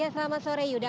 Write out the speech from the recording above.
selamat sore yuda